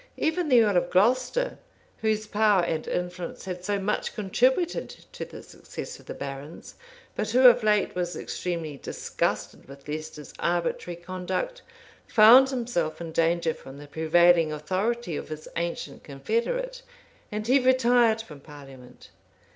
Even the earl of Glocester, whose power and influence had so much contributed to the success of the barons, but who of late was extremely disgusted with Leicester's arbitrary conduct, found himself in danger from the prevailing authority of his ancient confederate; and he retired from parliament.